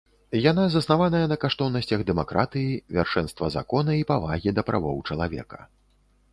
Яна заснаваная на каштоўнасцях дэмакратыі, вяршэнства закона і павагі да правоў чалавека.